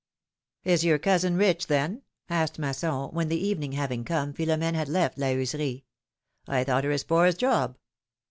your cousin rich, then?^' asked Masson, when, L the evening having come, Philom^ne had left La Heuserie. I thought her as poor as Job